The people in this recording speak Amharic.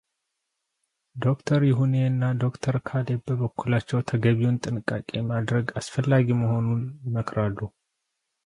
ዶክተር ይሁኔ እና ዶክተር ካሌብ በበኩላቸው ተገቢውን ጥንቃቄ ማድረግ አስፈላጊ መሆኑን ይመክራሉ።